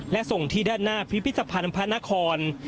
และส่งที่ด้านหน้าพิพิธภัณฑ์พระนคร